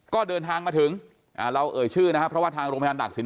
ก็เดินทางมาถึงเราเอ่ยชื่อนะครับเพราะว่าทางโรงพยาบาลตากศิล